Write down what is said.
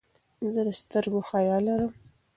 زه د سترګو حیا لرم.